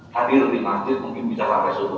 hadir di masjid mungkin bisa sampai subuh